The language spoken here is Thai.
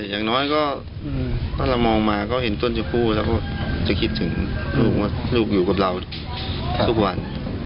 อย่างน้อยก็พอเรามองมาก็เห็นต้นชมพูแล้วจะคิดถึงลูกอยู่กับเราทุกวัน